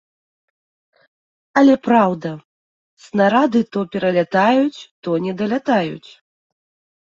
Але, праўда, снарады то пералятаюць, то не далятаюць.